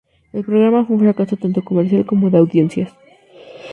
El programa fue un fracaso tanto comercial como de audiencias.